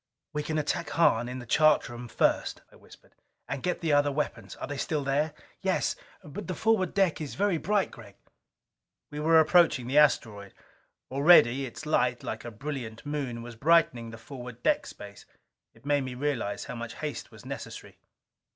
"We can attack Hahn in the chart room first," I whispered. "And get the other weapons. Are they still there?" "Yes. But the forward deck is very bright, Gregg." We were approaching the asteroid. Already its light, like a brilliant moon, was brightening the forward deck space. It made me realize how much haste was necessary.